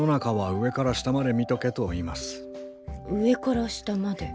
上から下まで。